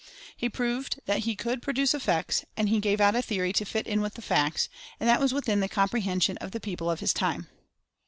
He proved that he could pro duce effects, and he gave out a theory to fit in with the facts, and that was within the comprehension of the people of his time.